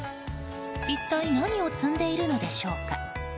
一体何を積んでいるのでしょうか。